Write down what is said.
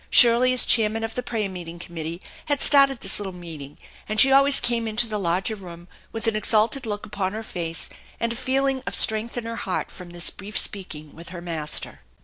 Shirley as chairman of the prayer meeting committee had started this little meeting, and she always came into the larger room with an exalted look upon her face and a feeling of strength in her heart from this brief speaking with her Master.